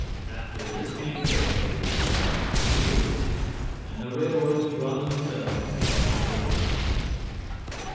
After listening carefully, he hears it, and the railroads run themselves for another week.